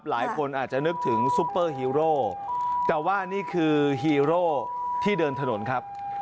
หลายคนอาจจะนึกถึงซุปเปอร์ฮีโร่แต่ว่านี่คือฮีโร่ที่เดินถนนครับ